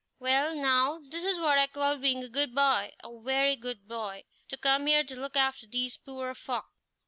"Well, now, this is what I call being a good boy a very good boy to come here to look after these poor folk."